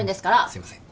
すいません。